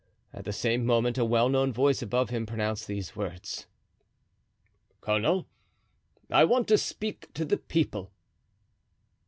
At the same moment a well known voice above him pronounced these words: "Colonel, I want to speak to the people."